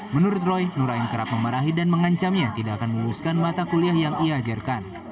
menurut roy nur ain kerap memarahi dan mengancamnya tidak akan meluluskan mata kuliah yang ia ajarkan